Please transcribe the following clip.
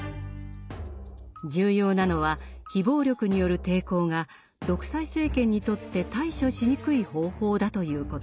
重要なのは非暴力による抵抗が独裁政権にとって対処しにくい方法だということ。